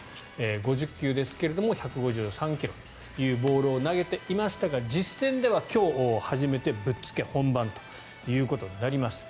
５０球ですが１５３ｋｍというボールを投げていましたが実戦では今日初めてぶっつけ本番ということになります。